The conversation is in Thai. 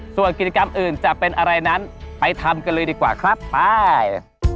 ส่วนกิจกรรมอื่นจะเป็นอะไรนั้นไปทำกันเลยดีกว่าครับไป